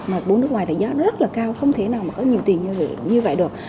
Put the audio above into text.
mà bốn nước ngoài thì gió nó rất là cao không thể nào mà có nhiều tiền như vậy được